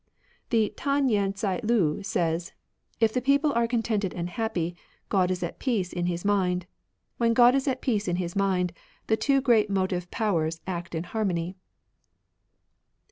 The Tan yen tea lu says, " If the people are contented and happy, God is at peace in His mind. When God is at peace in His mind, the two great motive Powers act in harmony."